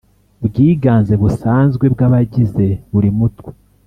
bwiganze busanzwe bw abagize buri Mutwe